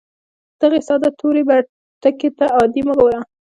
دغې ساده تورې بتکې ته عادي مه ګوره